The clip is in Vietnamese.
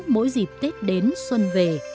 mỗi dịp tết đến xuân về